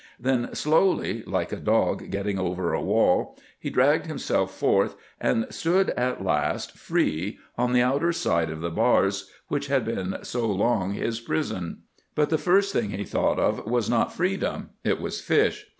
Then slowly, like a dog getting over a wall, he dragged himself forth, and stood at last free on the outer side of the bars which had been so long his prison. But the first thing he thought of was not freedom. It was fish.